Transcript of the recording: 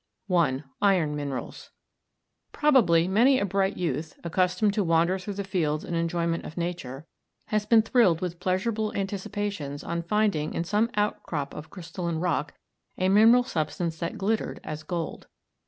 I. IRON MINERALS. Probably many a bright youth, accustomed to wander through the fields in enjoyment of nature, has been thrilled with pleasurable anticipations on finding, in some outcrop of crystalline rock, a mineral substance that glittered as gold.